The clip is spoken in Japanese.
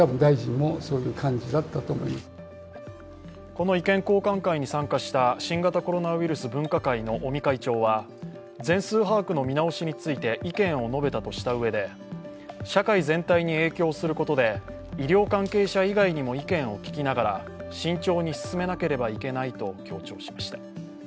この意見交換会に参加した新型コロナウイルス分科会の尾身会長は、全数把握の見直しについて意見を述べたとしたうえで社会全体に影響することで医療関係者以外にも意見を聞きながら慎重に進めなければいけないと強調しました。